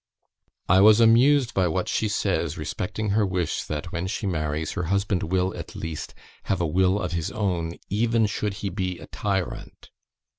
"I was amused by what she says respecting her wish that, when she marries, her husband will, at least, have a will of his own, even should he be a tyrant.